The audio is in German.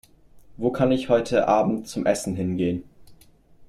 Wo kann ich heute Abend zum Essen hingehen?